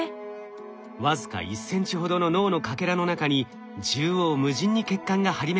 僅か１ｃｍほどの脳のかけらの中に縦横無尽に血管が張り巡らされています。